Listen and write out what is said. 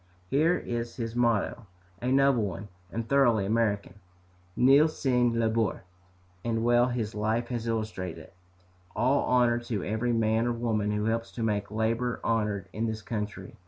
Here is his motto, a noble one, and thoroughly American, "Nihil sine labore," and well his life has illustrated it. All honor to every man or woman who helps to make labor honored in this country.